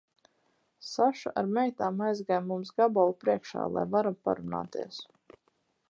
Saša ar meitām aizgāja mums gabalu priekšā, lai varam parunāties.